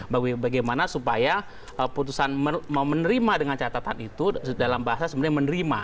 bagaimana supaya putusan mau menerima dengan catatan itu dalam bahasa sebenarnya menerima